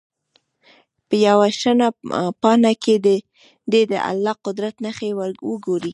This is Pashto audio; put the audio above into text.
په یوه شنه پاڼه کې دې د الله د قدرت نښې وګوري.